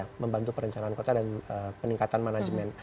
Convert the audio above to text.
ya membantu perencanaan kota dan peningkatan management